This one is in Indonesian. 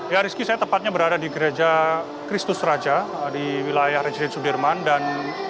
ya rizky saya tepatnya berada di gereja kristus raja di wilayah residen sudirman dan